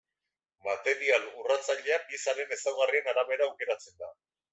Material urratzailea piezaren ezaugarrien arabera aukeratzen da.